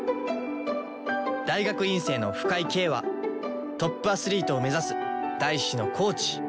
大学院生の深井京はトップアスリートを目指す大志のコーチ。